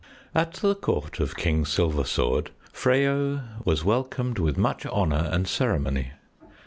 IV At the court of King Silversword, Freyo was welcomed with much honor and ceremony.